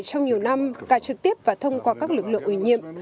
trong nhiều năm cả trực tiếp và thông qua các lực lượng ủy nhiệm